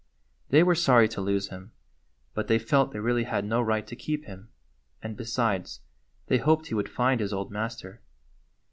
They were sorry to lose him; but they felt they really had no right to keep him, and, besides, they hoped he would find his old master.